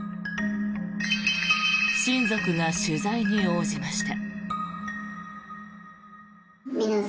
親族が取材に応じました。